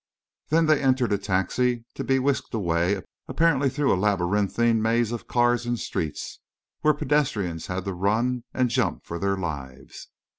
Then they entered a taxi, to be whisked away apparently through a labyrinthine maze of cars and streets, where pedestrians had to run and jump for their lives.